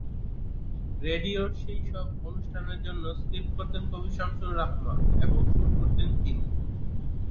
রেডিওর সেসব অনুষ্ঠানের জন্য স্ক্রিপ্ট করতেন কবি শামসুর রাহমান এবং সুর করতেন তিনি।